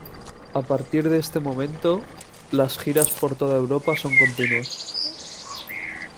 A partir de este momento, las giras por toda Europa son continuas.